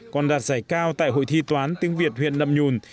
còn đạt giải cao tại hội thi toán tiếng việt huyện nậm nhùn